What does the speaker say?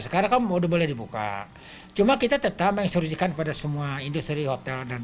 sekarang kamu udah boleh dibuka cuma kita tetap menginstruksikan pada semua industri hotel dan